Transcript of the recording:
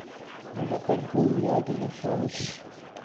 Mae 'na benbyliaid yn y ffoes.